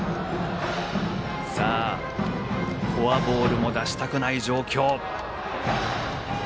フォアボールも出したくない状況。